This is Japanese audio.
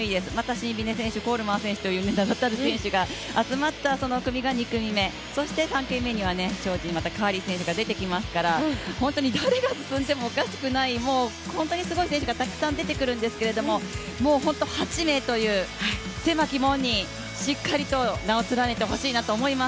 シンビネ選手、コールマン選手という名だたる選手が集まった組が２組目、そして３組目には超人カーリー選手が出てきますから本当に誰が進んでもおかしくない、本当にすごい選手がたくさん出てくるんですけれども、８名という狭き門にしっかりと名を連ねてほしいなと思います。